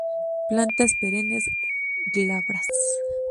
Plantas perennes, glabras.